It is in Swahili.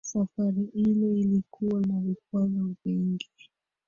Safari ile ilikuwa na vikwazo vingi